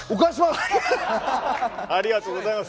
ありがとうございます。